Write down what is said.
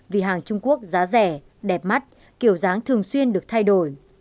vì hàng trung quốc giá rẻ đẹp mắt kiểu dáng thường xuyên được thay đổi